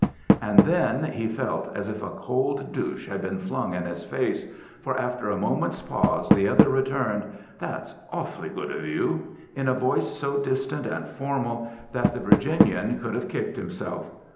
And then he felt as if a cold douche had been flung in his face, for after a moment's pause, the other returned, "That's awfully good of you," in a voice so distant and formal that the Virginian could have kicked himself.